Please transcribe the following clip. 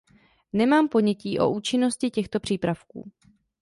Nemám ponětí o účinnosti těchto přípravků.